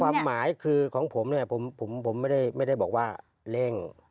ความหมายคือของผมเนี่ยผมไม่ได้บอกว่าเร่ง